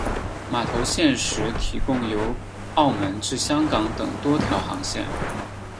码头现时提供由澳门至香港等多条航线。